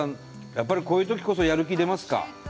やっぱりこういうときこそやる気出ますか？